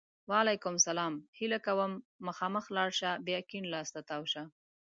وعلیکم سلام! هیله کوم! مخامخ لاړ شه! بیا کیڼ لاس ته تاو شه!